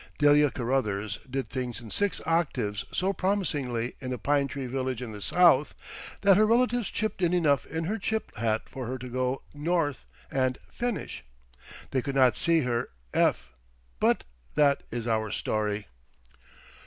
Delia Caruthers did things in six octaves so promisingly in a pine tree village in the South that her relatives chipped in enough in her chip hat for her to go "North" and "finish." They could not see her f—, but that is our story.